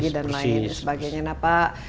dan lain sebagainya nah pak